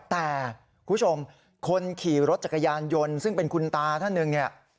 แต่คุณผู้ชมคนขี่รถจักรยานยนต์ซึ่งเป็นคุณตาท่านหนึ่งเนี่ย